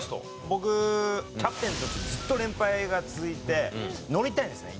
僕キャプテンでずっと連敗が続いてのりたいんですね